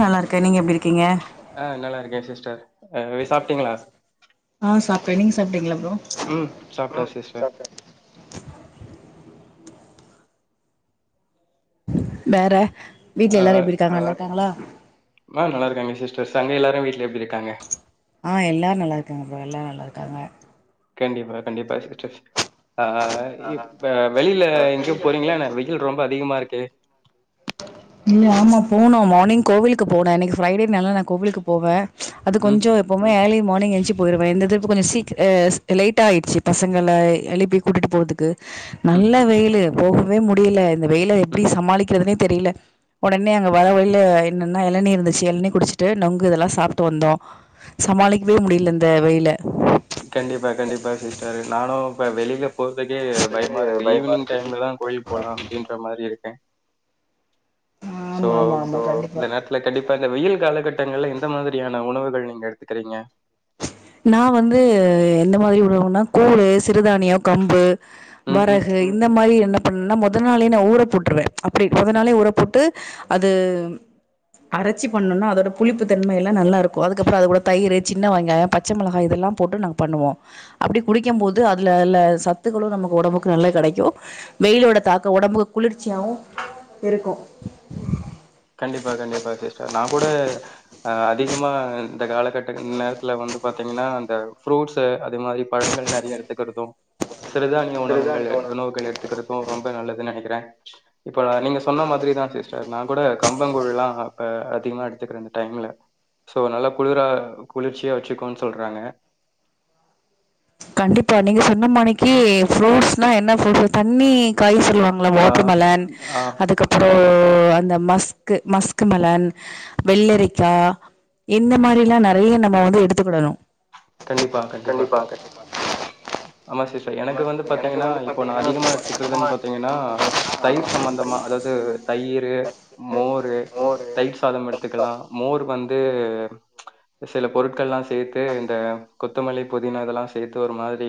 நல்லா இருக்கேன் நீங்க எப்டி இருக்கீங்க ஆ நல்லா இருக்கேன் சிஸ்டர் சாப்ட்டீங்களா ஆ சாப்ட்டேன் நீங் சாப்டீங்களா ப்ரோ ம் சாப்ட்டேன் சிஸ்டர் டேறா வீட்ல ஆ எல்லாரும் எப்டி இருக்காங்க நல்லா இருக்காங்களா ஆ நல்லா இருக்காங்க சிஸ்டர் அங்க எல்லோரும் வீட்ல எப்டி இருக்காங்க ஆ எல்லாரு நல்லாருக்காங்க பா எல்லாரு நல்லாருக்காங்க கண்டிப்பா கண்டிப்பா சிஸ்டர் ஆ ஆ இப்ப வெளியில எங்கயோ போறீங்களா என்ன வெயில் ரொம்ப அதிகமா இருக்கு ம் ஆமா போனோம் மார்னிங் கோவிலுக்கு போனே இன்னைக்கு ஃப்ரைடேனால நா கோவிலுக்கு போவேன் அது ம், கொஞ்ஜோ எப்பவுமே ஏர்லி மார்னிங் என்ச்சு போயிடுவேன் இந்த டிப் கொஞ்சம் சீக் அ லேட் ஆயிடுச்சு பங்கள எழுப்பி கூட்டிட்டு போதுக்கு ம், நல்ல வெயிலு போகவே முடியல இந்த வெயில எப்டி ம். சமாளிக்கிறதுனே தெரில ஒடனே அங்க வர வழியில என்னன்னா எளநீ இருந்துச்சு எளநீ குடிச்சுட்டு நொங்கு இதெல்லா சாப்டு வந்தோம் சமாளிக்வே முடில இந்த வெயில கண்டிப்பா கண்டிப்பா சிஸ்டர் நானும் இப்ப வெளிலப் போறதுக்கே பயமா இருக்கு ஈவினிங் டைம்ல தா கோயில் போலாம் அப்டின்ற மாரி இருக்கேன் சோ ஆமா ஆமா ஆமா இந்த கண்டிப்பா நேரத் துலா இல்ல கண்டிப்பா இந்த வெயில் காலகட்டங்கள்ல எந்த மாதிரியான உணவுகள் நீங்க எடுத்துக்றீங்க நான் வந்து எந்த மாதிரி உணவுன்னா கூழு சிறுதானியம் கம்பு ம், வரகை ம். இந்த மாரி என்ன பண்ணுன்னா மொத நாளே நா ஊர போட்டுருவேன் அப்டி மொத நாளே ஊற போட்டு அது அரச்சி பண்னோம்னா அதோட புளிப்புத்தன்மை எல்லா நல்லா இருக்கும் அதுக்கப்புறோ அதோட தையிரு சின்ன வெங்காயம் பச்சை மிளகாய் இதெல்லாம் போட்டு நாங்க பண்ணுவோம் அப்டி குடிக்கும் போது அதுல அல சத்துகலும் நமக்கு ஒடம்புக்கு நல்லா கெடைக்கும் வெயிலோட தாக்கம் ஒடம்புக்கு குளிர்ச்சியாவும் இருக்கும் கண்டிப்பா கண்டிப்பா சிஸ்டர் நா கூட அ அதிகமா இந்த காலகட்ட இன் நேரத்துல வந்து பாத்தீங்கனா அந்த ஃப்ரூட்ஸ் அது மாரி பழங்கள் நெறயா எடுத்துக்றதும் சிறுதானிய உணவுங்கள் உணவுகள் எடுத்துக்ற ரொம்ப நல்லது நெனைக்றேன் இப்ப நீங்க சொன்ன மாதிரி தா சிஸ்டர் நா ப்ப கூட கம்பங்கூழலாம் அப்ப அதிகமா எடுத்துக்றேன் டைம் இல்ல சோ அதுனால குளிரா குளிர்ச்சியா வச்சுக்கோன்னு சொல்றாங்க கண்டிப்பா நீங்க சொன்னமானிக்கு ப்ரூட்ஸ்னா என்ன சொல்றது தண்ணி காய் சொல்லுவாங் ஆ வாட்டர்மேலன் ஆ அதுக்கப் அப்புறோ அந்த மஸ்க் மஸ்க் மெலன் வெள்ளரிக்காய் இந்த மாரிலாம் நெறைய நம்ப வந்து எடுத்துக்கிடணும் கண்டிப்பா கண்டிப்பா இப்ப எனக்கு வந்து பாத்திங்கன்னா இப்ப நா அதிகமா எடுத்துக்கிறதுன்னு பாத்தீங்கன்னா தயிர் சம்மந்தமா அதாவது தயிறு மோரு தயிர் சாதம் எடுத்துக்கலா மோர் வந்து சில பொருட்கல்லா சேர்த்து கொத்தமல்லி பொதினா இதல்லா சேத்து ஒரு மாதிரி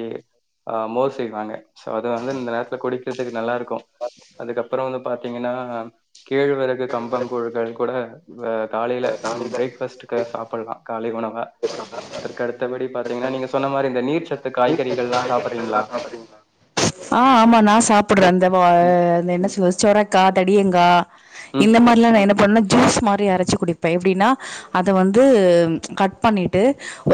ஆ மோர் செய்வாங்க சோ அது வந்து இந்த நேரத்துல குடிக்கறத்துக்கு நல்லா இருக்கு அதுக்கப்பறோ வந்து பாத்திங்கன்னா கேழ்வரகு கம்பங்கூழ்கள் கூட அ காலையில ம் பிரேக்பாஸ்ட் க சாப்பல்லா காலை உணவு அதற்கு அடுத்தபடி பாத்திங்ன்னா நீங்க சொன்ன மாரி இந்த நீர்ச்சத்து காய்கறிகள்லா சாப்பர்றீங்களா ஆ ஆமா நா சாப்படுற அந்த வா ம் அது என்ன சொல்வ சொரக்கா தடியங்கா ம் இந்த மார்லா நா என்ன பண்ணுணா ஜூஸ் மாரி அரச்சி குடிப்ப எப்பிடின்னா அத வந்து ம் கட் பண்ணீட்டு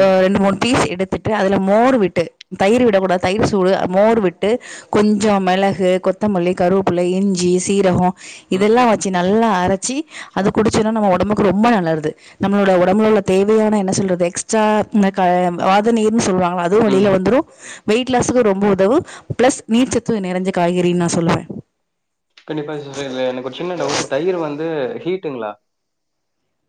ஒ ரெண்டு மூணு பீஸ் எடுத் திட்டு அதுல மோர் விட்டு தயிர் விட கூடாது தயிர் சூடு மோர் விட்டு கொஞ்சோ மேளகு கொத்தமல்லி கருவப்பிள்ள இஞ்சி சீரகோ ம் இதல்லா வச்சி நல்லா அரச்சி ஆ அது குடிச்சினா நம்ம ஒடம்புக் கு ரொம்ப நல்லர்து நம்மளோட ஒடம்புல உள்ள தேவையான என்ன சொல்றது எக்ஸ்ட்ரா இந்த க வாத நீீர்ன்னு சொல்லுவாங்க அதுவு ம் வெளில வந்துரு வெயிட் லாஸ்க்கு ரொம்ப உதவு ப்ளஸ் நீர்ச்சத்து நிறஞ்ச காய்கறினு நா சொல்லுவ கண்டிப்பா [unintelligible] எனக்கு ஒரு சின்ன டவுட்டு தயிர் வந்து ஹீட்டுங்களா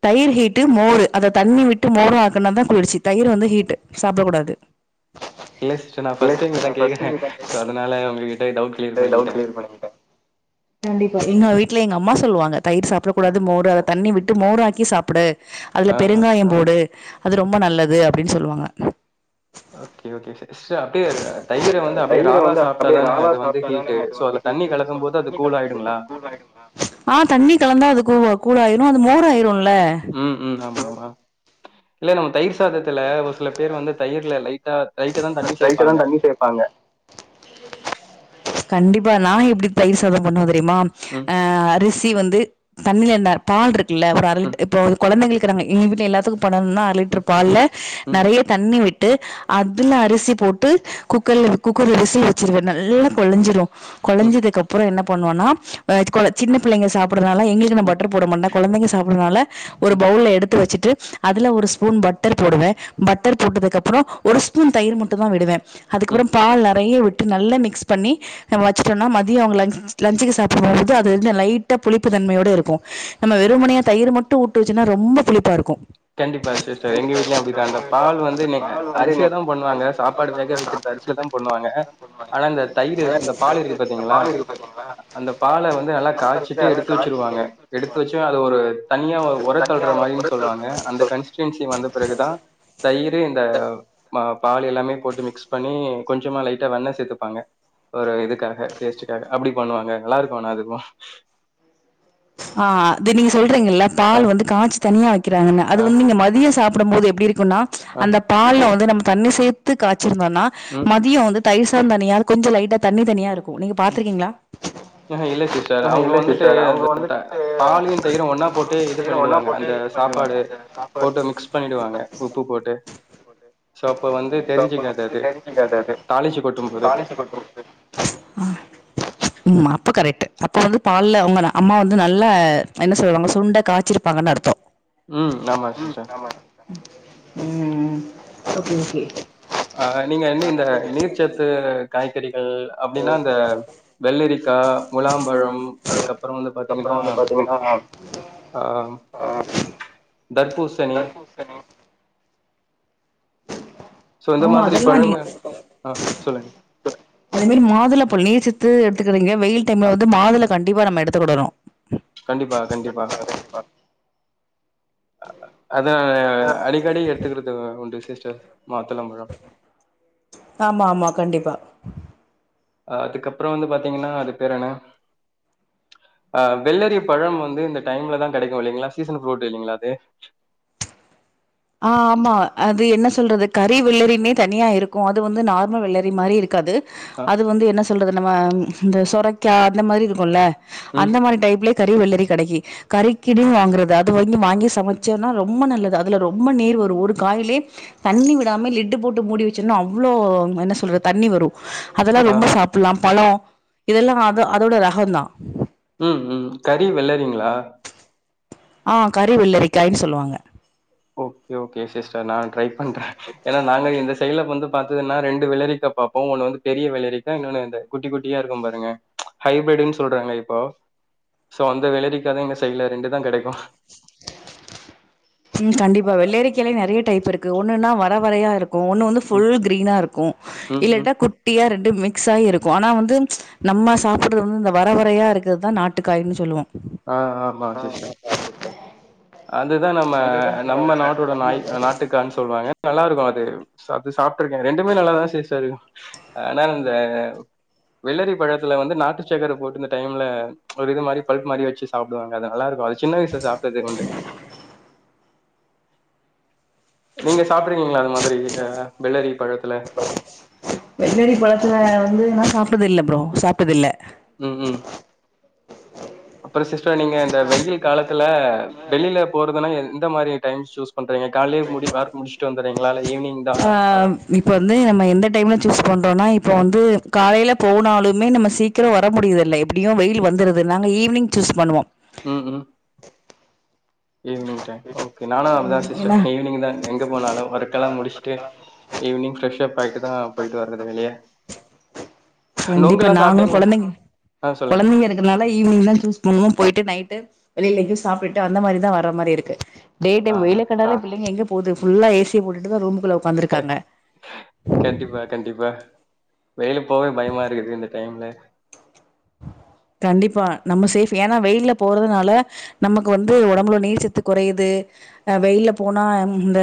தயிர் ஹீட்டு மோரு அத தண்ணி விட்டு மோரு ஆக்குனாதா குளிர்ச்சி தயிர் வந்து ஹீட்டு சாப்ட கூடாது இல்ல சிஸ்டர் நா ஃபஸ்ட் டைம் இதா கேக்குறே சோ அதுனால உங்க கிட்ட டவுட் கிளியர் டு டவுட் பண்ணிக்கிட்டேன் கிளியர் பண்ணிட்டே கண்டிப்பா எங்க வீட்ல எங்க அம்மா சொல்லுவாங்க தயிர் சாப்புட குடாது மோரு அத தண்ணி விட்டு மோராக்கி சாப்புடு அதுல ஆ ஆ பெருங்காயோ போடு அது ரொம்ப நல்லது அப்டின்னு சொல்லுவாங்க ஓகே ஓகே செ சிஸ்டர் அப்டியே இரு தயிர வந்து அப்டியே ராவா சாப்டாதானே அது வந்து ஹீட்டு் சோ அதுல தண்ணி கலக்கம் போது தண்ணி கலக்கும் போது அது கூழாயிடுமா ஆ தண்ணி கலந்தா அது கூவ்வு கூழாயிரு அது மோர் ஆயிருல்ல ம் ம் ஆமா ஆமா இல்ல நம்ம தயிர் சாதத்துல ஒரு சில பேர் வந்து தயிர்ல லைட்டா லைட்டாதா தண்ணி சேப்பாங்க சேப்பாங்க கண்டிப்பா நா எப்டி தயிர் சாதோ பண்ணுவ தெரியுமா ம், ஆ அரிசி வந்து தண்ணீல என்ன பால் ருக்குல்ல ஒரு அர லிட் ம், இப்போ கொழந்தைங்களுக்கு நாங்க எங்க வீட்ல எல்லாத்துக்கு பண்ணணுனா லிட்ரு ம், பால்ல ம், நறைய தண்ணி விட்டு அதுல அரிசி போட்டு குக்கர்ல குக்கர்ல விசில் வெச்சிருவ நல்ல கொலைஞ்சிடு ம், கொலைஞ்சதுக்கு அப்பறோ என்ன பண்ணுவோனா அ கொழ சின்ன பிள்ளைங்க சாப்படறனால எங்களுக் கு நா ம், பட்டர் போடமாட்ட கொழந்திங்க சாப்படறனால ஒரு ம், பவுல்ல எடுத்து வச்சிட்டு அதுல ஒரு ஸ்பூன் பட்டர் போடுவ பட்டர் போட்டதுக்கு அப்பறோ ஒரு ஸ்பூன் தயிரு மட்டு தா விடுவ ம். அதுக்கப்பறோ பால் நறைய விட்டு நல்லா மிக்ஸ் பண்ணி நம்ம வச்சுட்டோனா மதியோ அவுங்க லன்ச் லன்சுக்கு சாப்புடும்போது அது வந்து லைட்டா புளிப்பு தன்மையோடு இருக்கு நம்ம வெறுமனையா தயிரு மட்டு ஊட்டு வெச்சுனா ரொம்ப புளிப்பா இருக்கு கண்டிப்பா சிஸ்டர் எங்க வீட்லயு அப்படிதா அந்த பால் வந்து நீங்க அரிசீல தா பண்ணுவாங்க சாப்பாடு வேக வேக வெக்கிற இந்த அரிசில தா பண்ணுவாங்க அனா இந்த தயிரு இந்த பால் இருக்கு பாத்திங்களா அந்த பால வந்து நல்லா காச்சிட்டு எடுத்து வெச்சிருவாங்க எடுத்து வெச்சு அது ஒரு தனியா ஒரத்தள்ளுற மாரின்னு சொல்லுவாங்க அந்த கன்ஸ்டன்சி வந்த பிறகுதா தயிரு இந்த மா பால் எல்லாமே போட்டு மிக்ஸ் பண்ணி கொஞ்சமா லைட்டா வெண்ணெ சேத்துப்பாங்க ஒரு இதுக்காக டேஸ்ட்க்காக அப்டி பண்ணுவாங்க நல்லா இருக்கு ஆனா அதுவு ஆ து நீங்க சொல்றீங்கல்ல அ பால் வந்து காச் தனியா வைக்கிறாங்கன்னா அது அ வந்து நீங்க மதியோ சாப்படும் போது எப்டி இருக்குன்னா அ அந்த பால்ல வந்து நம்ம தண்ணி சேத்து காய்ச்சிருந்தோன்னா ம் மதியொ வந்து தயிர் சாதம் தனியாவு கொஞ்சொ லைட்டா தண்ணி தனியா இருக் ம் அஹா இல்ல சிஸ்டர் அவுங்க வந்துட்டு இந்த த ஆ பாலையு தயிரு ஒன்னா போட்டு இது பண்ணிடுவாங்க அந்த சாப்பாடு போட்டு மிக்ஸ் பண்ணிடுவாங்க உப்பு போட்டு சோ அப்ப வந்து தெரிஞ்சிக்காது அது தாளிச்சி கொட்டும் போது ம் அப்ப கரெக்ட்டு அப்ப வந்து பால்ல அவ்ங்கதா அம்மா வந் து நல்லா என்ன சொல்லுவாங்க சுண்ட காய்ச்சுருப்பாங்கன்னு அர்த்தோ ம் ஆமா சிஸ்டர். ம் ம் ஓகே ஓகே அ நீங்க வந்து இந்த நீர்ச்சத்து காய்கறிகள் அப்டின்னா இந்த வெள்ளரிக்கா முலாம்பழம் அதுக்கப்பறோ வந்து பாத்தீங்கன்னா ஆம் தரப்பூசன் தர்பூசணி சோ இந்த ஆமா மாதிரி அதெல்லா நீ பழங்க ஆ சொல்லுங்க அதே மாரி மாதுள பழொ நீர் சத்து எடுத்துக்கறீங்க வெயில் ஆ டைம்ல வந்து மாதுள கண்டிப்பா நம்ம எடுத்துக்கடனு கண்டிப்பாக கண்டிப்பா அதா அடிக்கடி எடு த்துக்கிறது உண்டு சிஸ்டர் மாத்தளம்பழம் ஆமா ஆமா கண்டிப்பா அ அதுக்கப்பறம் வந்து பாத்தீங்கன்னா அதுக் பேர் என்ன அ வெள்ளரி பழம் வந்து இந்த டைம்லதா கெடைக்கு இல்லைங்களா சீசன் ஃப்ரூட் இல்லைங்களா அது ஆ ஆமா அது என்ன சொல்றது கறி வெள்ளறினே தனியா இருக்கு அது வந்து நார்மல் வெள்ளரி மாரி இருக்காது ஆ அது வந்து என்ன சொல்றது நம்ம இந்த சொரைக்கா அந்த மாரி இருக்கும்ல ம் அந்த மாரி டைப்ல கறி வெள்ளரி கெடைக்கு கறிக்கினே வாங்கறது அது வாங்கி வாங்கி சமைச்சனா ரொம்ப நல்லது அதுல ரொம் ம்ப நீர் வரு ஒரு காயிலே தண்ணி விடாம லிட்டு போட்டு மூடி வச்சனா அவ்ளோ என்ன சொ சொல்ற தண்ணி வரு அதெல்லா ஆ ரொம்ப சாப்புலாம் பழொ இதெல்லா அத அதோட ரகோந்தா ம் ம் கறி வெளள்ளறீங்ளா ஆ கறி வெள்ளரிக்காய்னு சொல்லுவாங்க ஓகே ஓகே சிஸ்டர் நான் ட்ரை பண்றே ஏனா நாங்க இந்த சைடுல வந்து பாத்ததுன்னா ரெண்டு வெள்ளரிக்கா பாப்போ ஒன்னு வந்து பெரிய வெள்ளரிக்கா இன்னொன்னு இந்த குட்டி குட்டியா இருக்கும் பாருங்க ஹை பிரிட்டுன்னு சொல்றாங்க இப்போ சோ அந்த வெள்ளரிக்காதா எங்க சைடுல ரெண்டுதா கெடைக்கு ம் கண்டிப்பா வெள்ளரிக்காய்லே நெறைய டைப் இருக்கு ஒன்னுனா வர வரையா இருக்கு ஒன்னு வந்து ம், ஃபுல் கிரீனா இருக்கு ம், ம். இல்லாட்டா குட்டியா ரெண்டு மிக்ஸ் ஆயிருக்கு ஆனா வந்து நம்ம சாப்புடுறது வந்து இந்த வரவரையா இருக்குறதா நாட்டுக்காயின்னு சொல்லுவோ ஆ ஆமா சிஸ்டர் அதுதா நம்ம நம்ம நாட்டோட நாய் அ நாட்டு கான் சொல்லுவாங்க நல்லா இருக்கு அது சா அது சாப்புட்டுருக்கே ரெண்டுமே நல்லாதா சிஸ்டர் ஆனால அந்த வெள்ளரி பழத்துல வந்து நாட்டு சக்கர போட்டு இந்த டைம்ல ஒரு இது மாதிரி பல்பு மாரி வச்சு சாப்டுவாங்க அது நல்லார்க்கு சின்ன வயசுல சாப்ட்டது உண்டு நீங்க சாப்ட்றீங்களா அது மாதிரி் வெள்ளரி பழத்தல வெள்ளரி பழத்துல வந்து நா சாப்ட்டதல்ல ப்ரோ சாப்ட்டதல்ல ம் ம் அப்றோ சிஸ்டர் நீங்க இந்த வெயில் காலத்தல்ல வெளியில போறதுனா எந்த மாதிரி டைம் சூஸ் பண்றீங்க கால்லியே முடி ஒர்க் முடிச் ட்டு வந்திறீங்களா இல்ல ஈவினிங் தான் ஆ அ இப்பந்து நம்ம எந்த டைம்ல சூஸ் பண்றோன்னா இப்போ வந்து காலையில போனாலுமே நம்ம சீக் கிறோ வர முடியதில்ல எப்படியு வெயில் வந்துருது நாங்க ஈவினிங் சூஸ் பண்ணுவோ ம் ம் ஈவ்னிங் டைம் ஓகே நானு அது தா சிஸ்டர் ஏன்னா ஈவினிங் தா எங்க போனாலு ஒர்க்கெல்லா முடிஸ்ட்டு ஈவினிங் ப்ரெஷ்ஷப் ஆயிட்டு தா போயிட்டு வற்றது வெளியே கண்டிப்பா நாங்களு சாப்ட்டீங்களா? குழந்தைங் ஆ சொல்லுங்க. குழந்தைங்க இருக் க நால ஈவினிங் தா சூஸ் பண்ணுவோ போயிட்டு நைட்டு வெளியில சாப்ட்டு அந்த மாரி தா வற்ற மாரி இருக்கு டே ஆ டைம் வெயிலக்கன்ட்டாலே பிள்ளைங்க எங்க போது ஃபுல்லா ஏசி போட்டுட்டு தா ரூமுக்குள்ள அ உக்காந்துருக்காங்க கண்டிப்பா கண்டிப்பா வெயில போவே பயமா இருக்கது இந்த டைம்ல கண்டிப்பா நம்ம சேஃப் ஏன்னா வெயில்ல போறதுனால. நமக்கு வந்து உடம்புல நீர்ச்சத்து குறையுது அ வெயில்ல போனா ம் இந்த.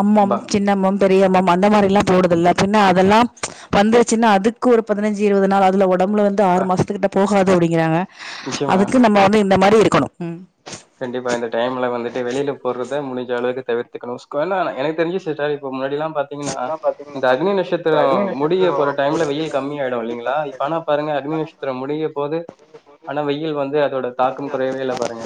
அம்மம் பா சின்னம்மம் பெரியம்மம் அந்த மாதிரிலா போடுதில்ல பின்ன அதெல்லாம் வந்துருச்சுனா அதுக்கு ஒரு பதினஞ்சு இருவது நாள் ஆதுல்ல உடம்புல வந்து பா ஆறு மாசத்துக்கிட்ட போகாது அப்படிங்கறாங்க நிச்சயமா அதுக்கு நம்ம வந்து இந்த மாரி இருக்கனு கண்டிப்பா இந்த டைம்ல வந்துட்டு வெளியில போடுறத முடிஞ்ச அளவுக்கு தவிர்த்துக்கனும கோனா எனக் தெரிஞ்சு சில டைம் இப்ப முன்னாடில்லா பாத்தீங்கன்னா இந்த அக்னி நட்ஷத்திரோ முடியப்போற டைம்ல வெயில் கம்மியாயிடு இல்லங்களா இப்ப ஆனா பாருங்க அக்னிநட்ஷ த்திரம் முடிய போது ஆனா வெயில் வந்து அதோட தாக்கம் குறையவே இல்ல பாருங்க.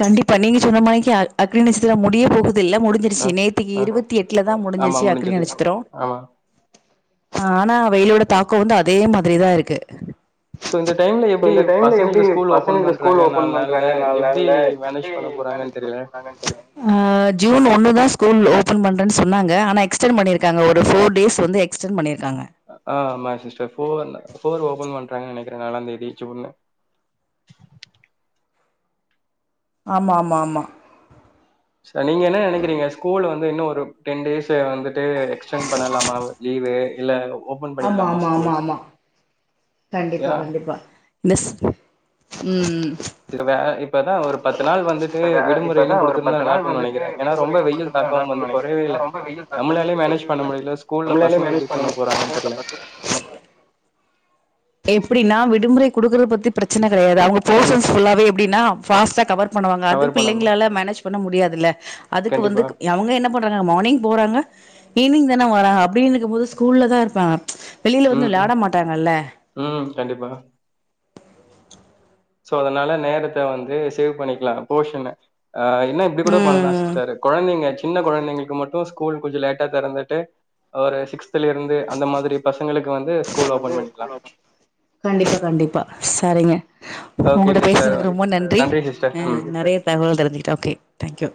கண்டிப்பா நீங்க சொன்ன மானிக்கு அக்னிநச்சத்திரம் முடிய போகுதில்ல அ முடிஞ்சிருச்சு நேத்திக்கி அ இருவத்தி எட்டுல ஆமா முடிஞ்சிருச்சு அக்னி முடிஞ்சது. நச்சத்திரோ ஆமா. ஆனா வெயிலோட தாக்கோ வந்து அதே மாதிரி தா இருக்கு. ஸோ இந்த டைம்ல சோ எப்டி இந்த டைம்ல எப்டி பசங்களுக்கு ஸ்கூல் ஓப்பன் பசங்களுக்கு ஸ்கூல் பண்றாங்க ஓபன் நாள்ல. பண்றாங்க நாலு எப்டி நாள்ல மேனேஜ் எப்டி பண்ண போறாங்கன்னு தெரியல. நினச் ஆ ஜூன் ஒன்னுதா ஸ்கூல் ஓபன் பண்றேன் சொன்னாங்க ஆனா எக்ஸ்டன் பண்ணிருக்காங்க ஒரு ஃபோர் டேஸ் வந்து எக்ஸ்டன் பண்ணிருக்காங்க. ஆமா சிஸ்டர் ஃபோர் ஃபோர் ஓபன் பண்றாங்கன் நினைக்கிறே நாலாந்தேதி ஜூன் ஆமா ஆமா ஆமா. ச நீங்க என்ன நினைக்கிறீங்க ஸ்கூல் வந்து இன்னு ஒரு டென் டேஸ்சு வந்துட்டு எக்ஸ்டெண்ட் பண்ணலாமா? லீவு இல்ல ஓபன் ஆமா பண்ணிக்கலாமா ஆமா ஆமா ஸ்கூல்? ஆமா கண்டிப்பா ஏன்னா கண்டிப்பா மெஸ் ம் ம் திருவே இப்பதா ஒரு பத்து நாள் வந்துட்டு விடுமுறைன்னு குடுத்துருந்தா நல்லா இருக்குன் நெனைக்கிறே ஏன்னா ரொம்ப வெயில். தாக்கம் வந்து குறயவே இல்ல நம்மளாலே மேனேஜ் பண்ண முடியல ஸ்கூல்ல பசங்க எப்டி பண்ண போறாங்கன் தெர்ல. எப்டின்னா விடுமுறை குடுக்குது பத்தி பிரச்சன கிடையாது அவங்க ம் போசன்ஸ் ஃபுல்லாவே எப்டின்னா ஃபாஸ்ட்டா கவர் பண்ணுவாங்க அது கவர் பண்ணணு பிள்ளைங்களால மேனேஜ் பண்ண முடியாதுல்ல அதுக்கு கண்டிப்பா வந்துக் அவங்க என்ன பண்றாங்க மார்னிங் போறாங்க ஈவினிங் தானே வராங்க அப்படின் இருக்கும் போது ஸ்கூல்ல தா இருப்பாங்க. வெளியில வந்து ம் விளையாட ம் மாட்டாங்கள்ல ம் கண்டிப்பா சோ அதனால நேரத்த வந்து சேவ் பண்ணிக்கலா போஷன ஆ இனா இப்டி கூட பண்லா ம் சிஸ்டர் கொழந்தைங்க சின்ன குழந்தைங்களுக்கு மட்டு ஸ்கூல் கொஞ்ச லேட்டா தெறந்துட்டு ஒரு சிக்ஸ்த்தில இருந்து அந்த மாதிரி பசங்களுக்கு வந்து ஸ்கூல் ஓபன் பண்ணிக்கலாம் கண்டிப்பா கண்டிப்பா சரிங்க ஓகே உங்களோட சிஸ்டர் பேசனதுக்கு ரொம்ப நன்றி சிஸ்டர் அ ம் நெறைய தகவல் தெரிஞ்சுக்கிட்டே ஓகே தேங்க்யூ